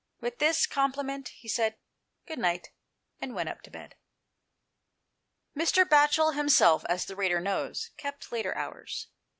With this compliment, he said " good night," and went up to bed. Mr. Batchel himself, as the reader knows, kept later hours.